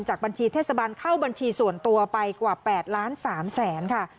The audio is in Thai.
จากบัญชีเทศบาลเข้าบัญชีส่วนตัวไปกว่า๘๓๐๐๐๐๐บาทค่ะ